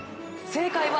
正解は。